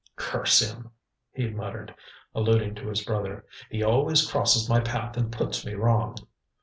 "Curse him!" he muttered, alluding to his brother. "He always crosses my path and puts me wrong."